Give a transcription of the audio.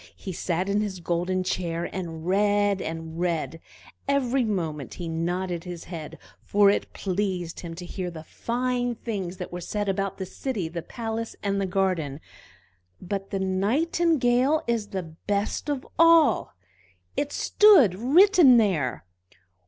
He sat in his golden chair, and read, and read; every moment he nodded his head, for it pleased him to hear the fine things that were said about the city, the palace, and the garden. "But the Nightingale is the best of all!" it stood written there.